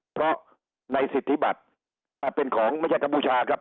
เพราะในสิทธิบัติเป็นของไม่ใช่กัมพูชาครับ